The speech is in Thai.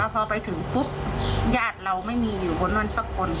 พอไปถึงปุ๊บญาติเราไม่มีอยู่บนนั้นสักคน